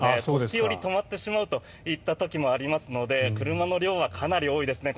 時折止まってしまうといった時もありますので車の量はかなり多いですね